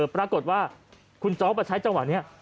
ปรากฏว่าคุณจ๊อล์ฟประชัยจังหวะนี้